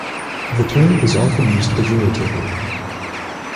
The term is often used pejoratively.